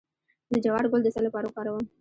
د جوار ګل د څه لپاره وکاروم؟